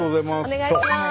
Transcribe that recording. お願いします。